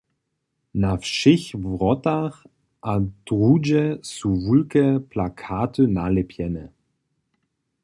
Na wšěch wrotach a druhdźe su wulke plakaty nalěpjene.